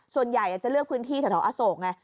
ส่วนใหญ่จะเลือกพื้นที่แถวอโศกไง